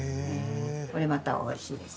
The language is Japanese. これまたおいしいです。